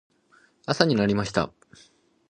朝になりました。